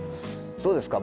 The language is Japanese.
どうですか？